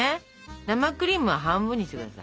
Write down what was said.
生クリームは半分にしてください。